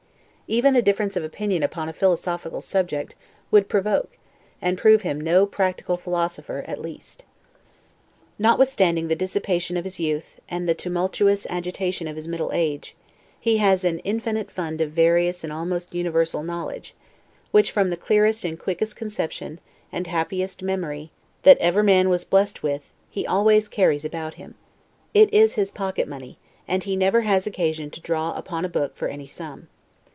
Even a difference of opinion upon a philosophical subject would provoke, and prove him no practical philosopher at least. Notwithstanding the dissipation of his youth, and the tumultuous agitation of his middle age, he has an infinite fund of various and almost universal knowledge, which, from the clearest and quickest conception, and happiest memory, that ever man was blessed with, he always carries about him. It is his pocket money, and he never has occasion to draw upon a book for any sum.